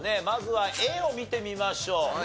まずはＡを見てみましょう。